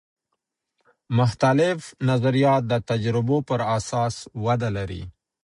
مختلف نظریات د تجربو پراساس وده لري.